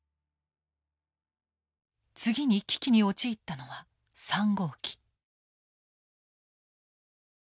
次に危機に陥ったのは３号機。